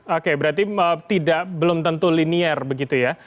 oke berarti belum tentu linier begitu ya